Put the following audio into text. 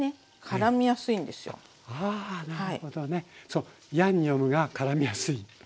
そのヤンニョムがからみやすい。